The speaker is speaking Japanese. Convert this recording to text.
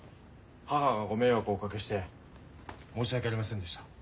母がご迷惑をおかけして申し訳ありませんでした。